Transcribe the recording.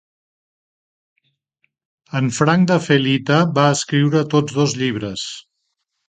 En Frank de Felitta va escriure tots dos llibres.